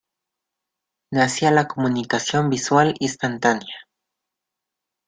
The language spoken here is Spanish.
Nacía la comunicación visual instantánea.